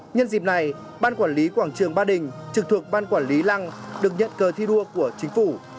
nhân dịp này ban quản lý quảng trường ba đình trực thuộc ban quản lý lăng được nhận cờ thi đua của chính phủ